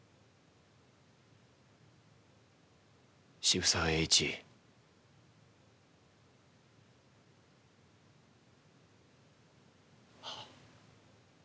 渋沢栄一。ははっ。